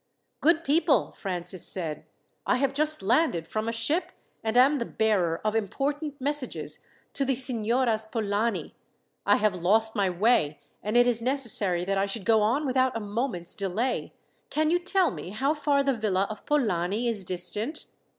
"Good people," Francis said. "I have just landed from a ship, and am the bearer of important messages to the Signoras Polani. I have lost my way, and it is necessary that I should go on without a moment's delay. Can you tell me how far the villa of Polani is distant?"